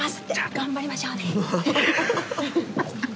頑張りましょうね。